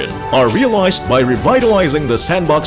diperlukan dengan mengubah fungsi sandbox